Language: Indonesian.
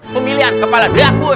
pemilihan kepala drakur